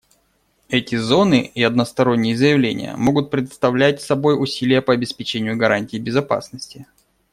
Эти зоны и односторонние заявления могут представлять собой усилия по обеспечению гарантий безопасности.